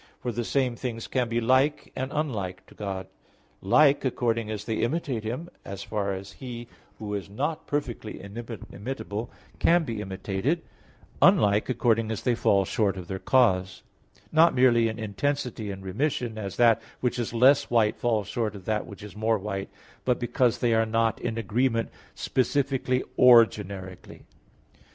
For, "the same things can be like and unlike to God: like, according as they imitate Him, as far as He, Who is not perfectly imitable, can be imitated; unlike according as they fall short of their cause," not merely in intensity and remission, as that which is less white falls short of that which is more white; but because they are not in agreement, specifically or generically.